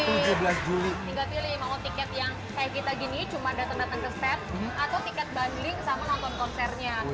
tinggal pilih mau tiket yang kayak kita gini cuma datang datang ke set atau tiket bundling sama nonton konsernya